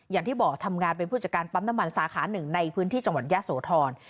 อย่างที่บอกทำงานเป็นผู้จัดการปั๊มน้ำมันสาขาหนึ่งในพื้นที่จังหวัดยะโสธร